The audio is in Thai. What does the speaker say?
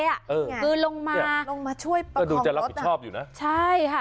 เอออยากลงมาลงมาช่วยประกอบรถดูจะรับผิดชอบอยู่นะใช่ค่ะ